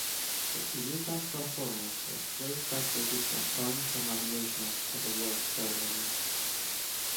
Zinta's performance was praised by critics and earned her nominations at award ceremonies.